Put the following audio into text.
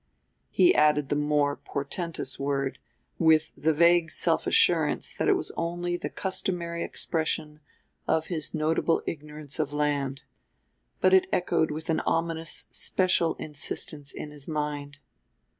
He added the more portentous word with the vague self assurance that it was only the customary expression of his notable ignorance of land; but it echoed with an ominous special insistence in his mind.